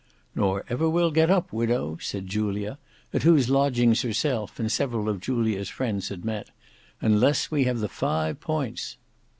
"Nor ever will get up, Widow," said Julia at whose lodgings herself and several of Julia's friends had met, "unless we have the Five Points."